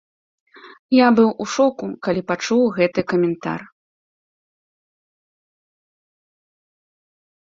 Я быў у шоку, калі пачуў гэты каментар!